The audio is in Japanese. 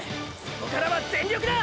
そこからは全力だ！！